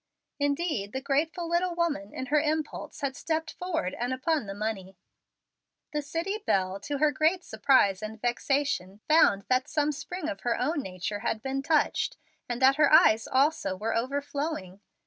Indeed the grateful little woman, in her impulse, had stepped forward and upon the money. The city belle, to her great surprise and vexation, found that some spring of her own nature had been touched, and that her eyes also were overflowing.